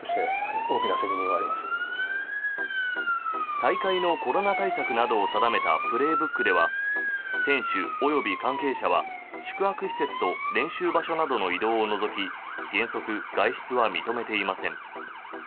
大会のコロナ対策などを定めた「プレーブック」では選手及び関係者は宿泊施設と練習場所などの移動を除き原則、外出は認めていません。